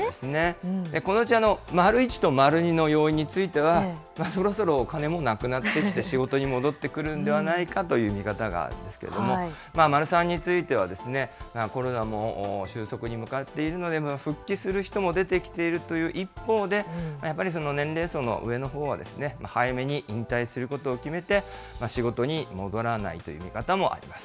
このうち、まる１とまる２の要因については、そろそろお金もなくなってきて、仕事に戻ってくるんではないかという見方があるんですけれども、まる３についてはコロナも収束に向かっているので、復帰する人も出てきているという一方で、やっぱり年齢層の上のほうは早めに引退することを決めて、仕事に戻らないという見方もあります。